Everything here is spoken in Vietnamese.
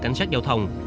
cảnh sát giao thông